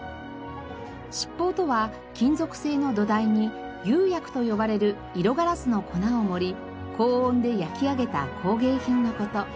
七宝とは金属製の土台に釉薬と呼ばれる色ガラスの粉を盛り高温で焼き上げた工芸品の事。